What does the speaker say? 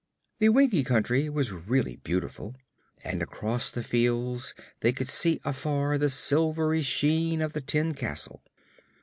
The Winkie Country was really beautiful, and across the fields they could see afar the silvery sheen of the tin castle.